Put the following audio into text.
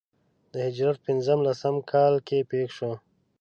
د هجرت په پنځه لسم کال کې پېښ شو.